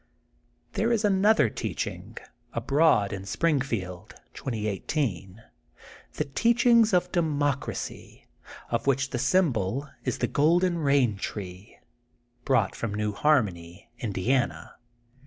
There is another teaching, abroad in Springfield, 2018, the teaching of Democ racy, of which the Symbol is the Golden Bain Tree brought from New Harmony, In diana.